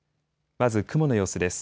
まず雲の様子です。